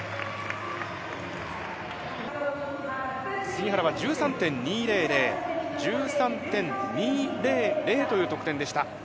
杉原は１３．２００、１３．２００という得点でした。